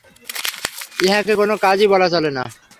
ইহাকে কোনো কাজই বলা চলে না।